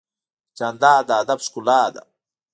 جانداد د ادب ښکلا ده.